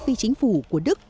phi chính phủ của đức